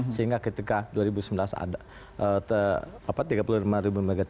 sehingga ketika dua ribu sembilan belas ada tiga puluh lima ribu megat